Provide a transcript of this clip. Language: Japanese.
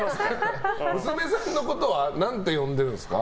娘さんのことは何て呼んでるんですか？